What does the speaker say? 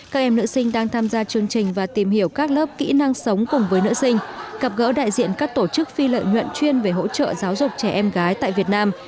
các em nữ sinh đang tham gia chương trình và tìm hiểu các lớp kỹ năng sống cùng với nữ sinh gặp gỡ đại diện các tổ chức phi lợi nhuận chuyên về hỗ trợ giáo dục trẻ em gái tại việt nam